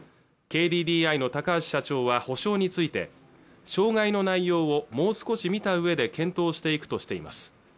ＫＤＤＩの高橋社長は補償について障害の内容をもう少し見た上で検討していくとしています